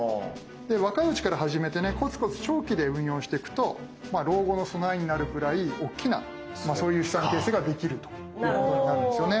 で若いうちから始めてねコツコツ長期で運用してくとまあ老後の備えになるくらい大きなそういう資産形成ができるということになるんですよね。